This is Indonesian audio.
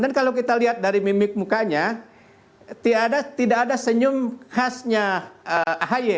dan kalau kita lihat dari mimik mukanya tidak ada senyum khasnya ahy